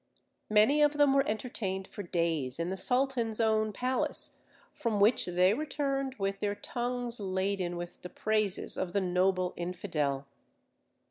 Many of them were entertained for days in the sultan's own palace, from which they returned with their tongues laden with the praises of the noble infidel.